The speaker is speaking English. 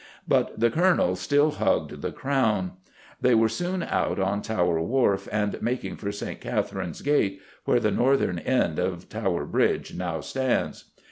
But the Colonel still hugged the crown. They were soon out on Tower Wharf and making for St. Catherine's Gate (where the northern end of Tower Bridge now stands).